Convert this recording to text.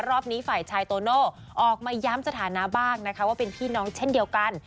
รอบนี้ฝ่ายชายโตโน่ออกมาย้ำสถานะบ้างนะคะว่าเป็นพี่น้องเช่นเดียวกัน